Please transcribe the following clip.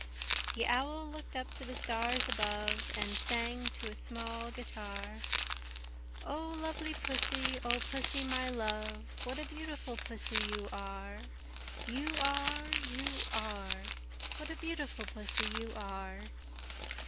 The Owl looked up to the stars above, And sang to a small guitar, "Oh lovely Pussy, O Pussy, my love, What a beautiful Pussy you are, You are, You are! What a beautiful Pussy you are!"